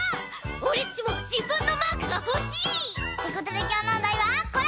オレっちもじぶんのマークがほしい！ってことできょうのおだいはこれ！